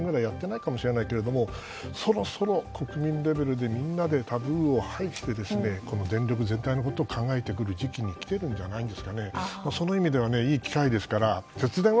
１０年くらいやってないかもしれないけどもそろそろ国民レベルでみんなでタブーを排してこの電力全体のことを考えてくる時期に来てるんじゃないですかね。